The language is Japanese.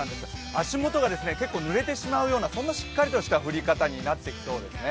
足元が結構、濡れてしまうようなしっかりとした降り方になってきそうです。